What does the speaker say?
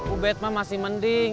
ubed mah masih mending